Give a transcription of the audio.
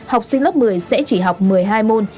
học sinh lớp một mươi sẽ chỉ học một mươi hai môn